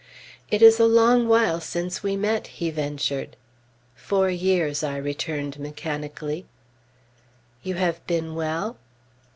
"It is a long while since we met," he ventured. "Four years," I returned mechanically. "You have been well?"